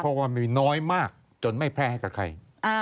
เพราะว่ามีน้อยมากจนไม่แพร่ให้กับใคร